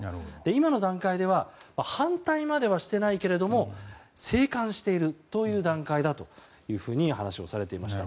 今の段階では反対まではしていないけれども静観しているという段階だというふうに話をしていました。